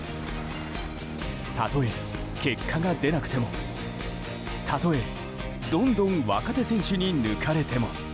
たとえ結果が出なくてもたとえ、どんどん若手選手に抜かれても。